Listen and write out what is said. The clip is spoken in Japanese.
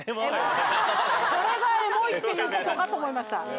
これがエモいっていうことかと思いました。